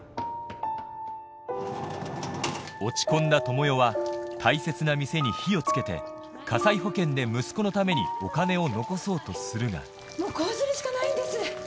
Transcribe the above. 落ち込んだ智代は大切な店に火を付けて火災保険で息子のためにお金を残そうとするがもうこうするしかないんです。